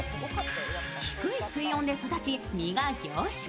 低い水温で育ち、身が凝縮。